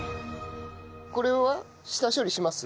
これは下処理します？